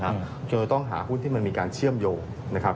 จะต้องหาหุ้นที่มันมีการเชื่อมโยงนะครับ